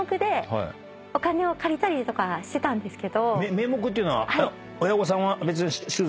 名目っていうのは。